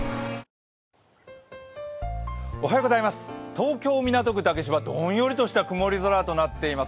東京・港区竹芝、どんよりとした天気になっています。